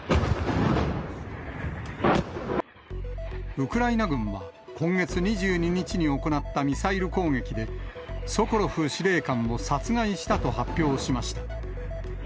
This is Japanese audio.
ウクライナ軍は、今月２２日に行ったミサイル攻撃で、ソコロフ司令官を殺害したと発表しました。